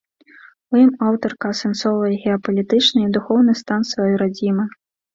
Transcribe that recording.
У ім аўтарка асэнсоўвае геапалітычны і духоўны стан сваёй радзімы.